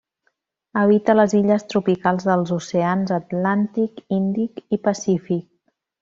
Habita les illes tropicals dels oceans Atlàntic, Índic i Pacífic.